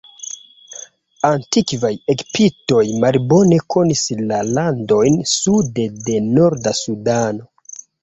Antikvaj Egiptoj malbone konis la landojn sude de norda Sudano.